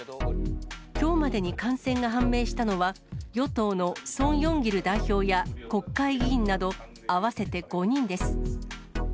きょうまでに感染が判明したのは、与党のソン・ヨンギル代表や国会議員など、合わせて５人です。